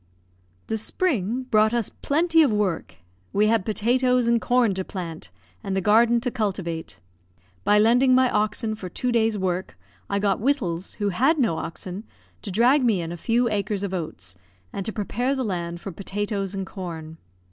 The spring brought us plenty of work; we had potatoes and corn to plant, and the garden to cultivate. By lending my oxen for two days' work, I got Wittals, who had no oxen, to drag me in a few acres of oats, and to prepare the land for potatoes and corn.